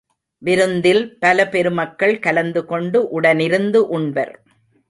விருந்தில் பல பெருமக்கள் கலந்து கொண்டு உடனிருந்து உண்பர்.